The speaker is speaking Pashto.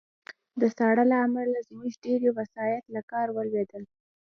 د ساړه له امله زموږ ډېری وسایط له کار ولوېدل